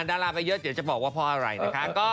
ดาราไปเยอะเดี๋ยวจะบอกว่าเพราะอะไรนะคะ